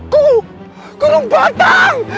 kok lu batang